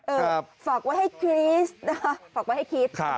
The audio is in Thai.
เออฝากไว้ให้ครีสนะคะฝากไว้ให้ครีสค่ะ